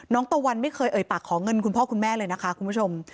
ตะวันไม่เคยเอ่ยปากขอเงินคุณพ่อคุณแม่เลยนะคะคุณผู้ชม